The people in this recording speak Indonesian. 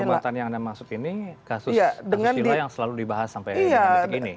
kehormatan yang anda maksud ini kasus asusila yang selalu dibahas sampai ini